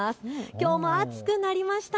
きょうも暑くなりました。